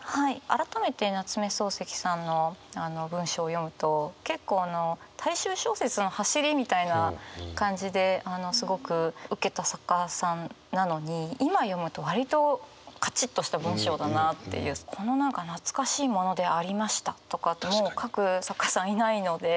改めて夏目漱石さんの文章を読むと結構大衆小説のはしりみたいな感じですごくウケた作家さんなのに今読むと割とこの何か「懐かしいものでありました。」とかも書く作家さんいないので。